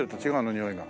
においが。